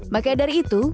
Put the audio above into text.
maka dari itu